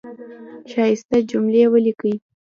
ښایسته جملی ولیکی